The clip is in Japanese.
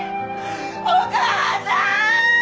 お母さーん！